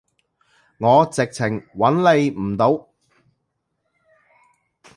我直情揾你唔到